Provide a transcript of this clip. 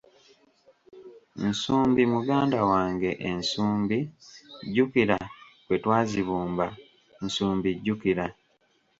“Nsumbi muganda wange ensumbi, jjukira bwetwazibumba, nsumbi jjukira